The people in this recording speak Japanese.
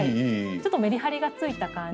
ちょっとメリハリがついた感じ。